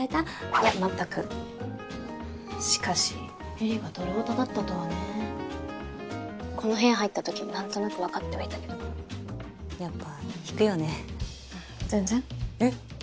いや全くしかしえりがドルオタだったとはねこの部屋入った時なんとなく分かってはいたけどやっぱ引くよね全然えっ？